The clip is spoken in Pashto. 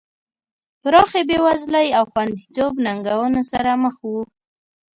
پراخې بېوزلۍ او خوندیتوب ننګونو سره مخ وو.